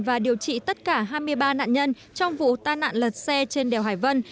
và điều trị tất cả hai mươi ba nạn nhân trong vụ tai nạn lật xe trên đèo hải vân